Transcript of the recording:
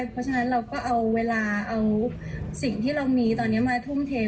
เพราะฉะนั้นเราก็เอาเวลาเอาสิ่งที่เรามีตอนนี้มาทุ่มเท